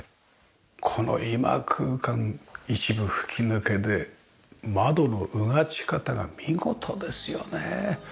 この居間空間一部吹き抜けで窓のうがち方が見事ですよね。